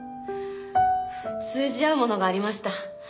通じ合うものがありました。